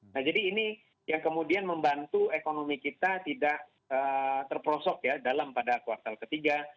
nah jadi ini yang kemudian membantu ekonomi kita tidak terprosok ya dalam pada kuartal ketiga